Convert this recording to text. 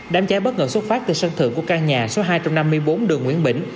đám cháy bất ngờ xuất phát từ sân thượng của căn nhà số hai trăm năm mươi bốn đường nguyễn bỉnh